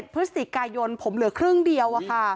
พฤศจิกายนผมเหลือครึ่งเดียว